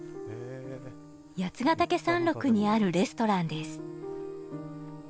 八ヶ岳山麓にあるレストランです。